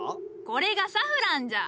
これがサフランじゃ。